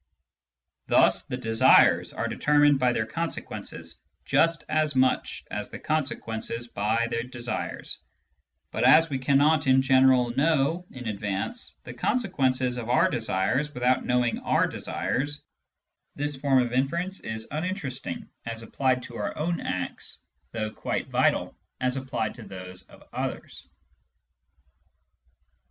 Thus the desires are determined by their consequences just as much as the consequences by the desires ; but as we cannot (in general) know in advance the consequences of our desires without knowing our desires, this form of inference is uninteresting as applied to our own acts, though quite vital as applied to those of others.